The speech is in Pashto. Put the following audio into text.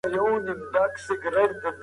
د مور او پلار دندې ولیکئ.